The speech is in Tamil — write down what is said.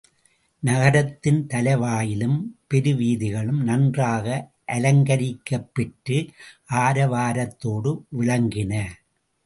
நகரத்தின் தலைவாயிலும் பெருவீதிகளும் நன்றாக அலங்கரிக்கப் பெற்று ஆரவாரத்தோடு விளங்கின.